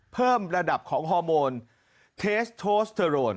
เพิ่มระดับของฮอร์โมนเทสโทสเทอโรน